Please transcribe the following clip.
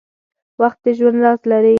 • وخت د ژوند راز لري.